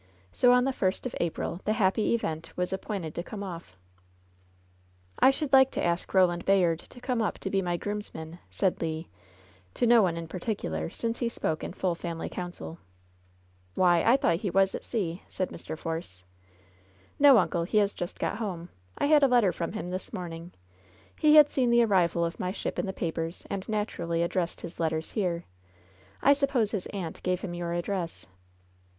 So on the first of April the happy event was appointed to come off, "I should like to ask Eoland Bayard to come up to be my groomsman," said Le, to no one in particular, since he spoke in full family coimciL "Why, I thought he was at seal" said Mr. Force. ^ "No, uncle, he has just got home. I had a letter from him this morning. He had seen the arrival of my ship in the papers and naturally addressed his letters here. I suppose his aunt gave him your address."